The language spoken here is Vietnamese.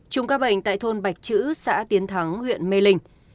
chùm ca bệnh tại thôn bạch chữ xã tiến thắng huyện mê linh